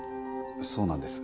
そうなんです。